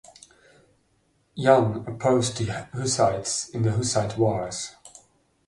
Jan opposed the Hussites in the Hussite Wars.